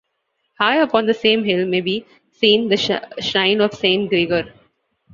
Higher upon the same hill may be seen the shrine of Saint Grigor.